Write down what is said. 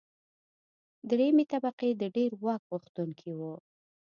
درېیمې طبقې د ډېر واک غوښتونکي وو.